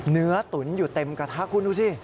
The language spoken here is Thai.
เนื้อตุ๋นอยู่เต็มกระถะคุณดูสิ